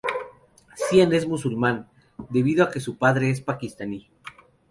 Zayn es musulmán, debido a que su padre es pakistaní.